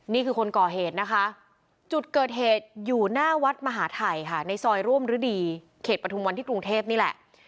นี่คือคนก่อเหตุนะคะจุดเกิดเหตุอยู่หน้าวัดมหาทัยค่ะในซอยร่วมฤดีเขตปฐุมวันที่กรุงเทพนี่แหละ